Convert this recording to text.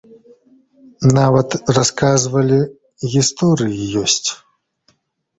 Нават, расказвалі, гісторыі ёсць.